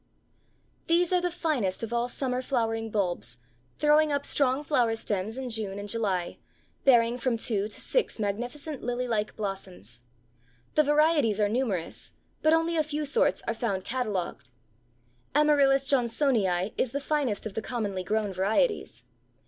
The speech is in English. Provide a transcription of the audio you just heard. These are the finest of all summer flowering bulbs, throwing up strong flower stems in June and July, bearing from two to six magnificent lily like blossoms. The varieties are numerous, but only a few sorts are found catalogued. Amaryllis Johnsonii is the finest of the commonly grown varieties.